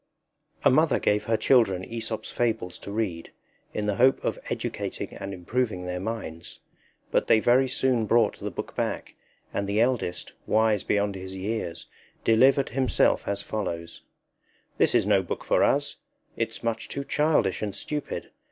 A mother gave her children Aesop's fables to read, in the hope of educating and improving their minds; but they very soon brought the book back, and the eldest, wise beyond his years, delivered himself as follows: _This is no book for us; it's much too childish and stupid.